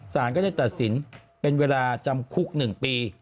สารก็จะตัดสินเป็นเวลาจำคุกหนึ่งปี